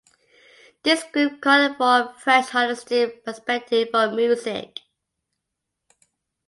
This group called for a fresh artistic perspective on music.